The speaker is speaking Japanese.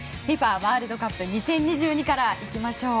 ワールドカップ２０２２からいきましょう。